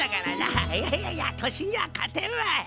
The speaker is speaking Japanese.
いやいやいや年には勝てんわい！